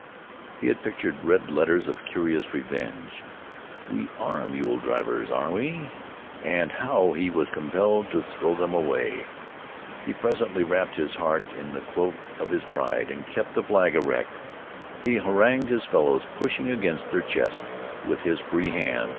He had pictured red letters of curious revenge. "We ARE mule drivers, are we?" And now he was compelled to throw them away. He presently wrapped his heart in the cloak of his pride and kept the flag erect. He harangued his fellows, pushing against their chests with his free hand.